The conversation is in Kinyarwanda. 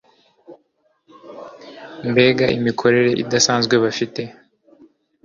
Mbega imikorere idasanzwe bafite